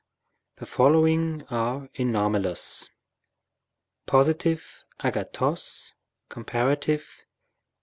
The following are anomalous : Positive. Comparative.